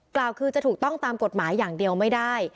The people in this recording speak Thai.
กล่าวคือจะถูกต้องตามกฎหมายอย่างเดียวไม่ได้